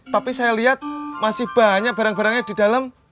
tapi saya lihat masih banyak barang barangnya di dalam